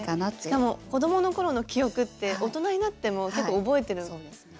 しかも子どもの頃の記憶って大人になっても結構覚えてるので。